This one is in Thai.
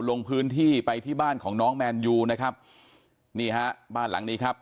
ลงพื้นที่ไปที่บ้านของน้องแมนยูนะครับนี่ฮะบ้านหลังนี้ครับ